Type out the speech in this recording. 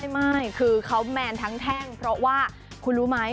ไม่คือเขาแมนทั้งแท่งเพราะว่าคุณรู้ไหม